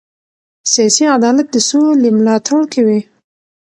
سیاسي عدالت د سولې ملاتړ کوي